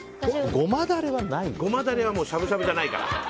ゴマダレはもうしゃぶしゃぶじゃないから。